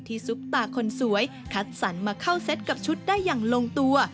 ซุปตาคนสวยคัดสรรมาเข้าเซ็ตกับชุดได้อย่างลงตัว